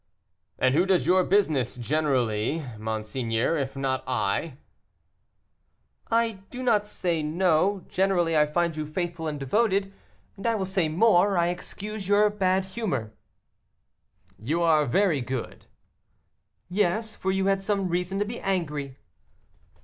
"And who does your business generally, monseigneur, if not I?" "I do not say no; generally I find you faithful and devoted, and, I will say more, I excuse your bad humor." "You are very good." "Yes, for you had some reason to be angry."